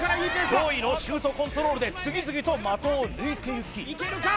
驚異のシュートコントロールで次々と的を抜いていきいけるか？